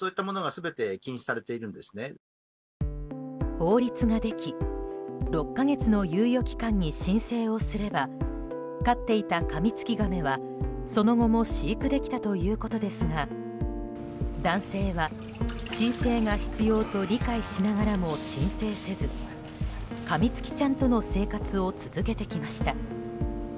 法律ができ６か月の猶予期間に申請をすれば飼っていたカミツキガメはその後も飼育できたということですが男性は申請が必要と理解しながらも申請せずカミツキちゃんとの生活を続けてきました。